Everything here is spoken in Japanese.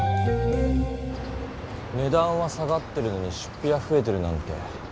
ねだんは下がってるのに出ぴはふえてるなんて。